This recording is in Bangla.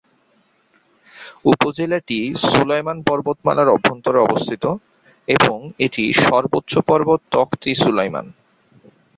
উপজেলাটি সুলাইমান পর্বতমালার অভ্যন্তরে অবস্থিত এবং এটি সর্বোচ্চ পর্বত তখত-ই-সুলাইমান।